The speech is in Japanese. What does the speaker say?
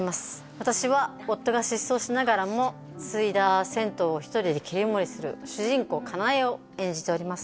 私は夫が失踪しながらも継いだ銭湯を１人で切り盛りする主人公かなえを演じております